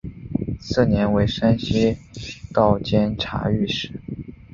次年为山西道监察御史。